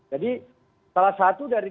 jadi salah satu dari